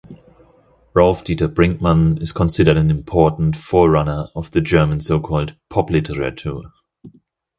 Rolf Dieter Brinkmann is considered an important forerunner of the German so-called "Pop-Literatur".